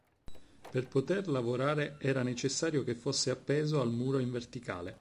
Per poter lavorare era necessario che fosse appeso al muro in verticale.